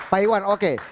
pak iwan oke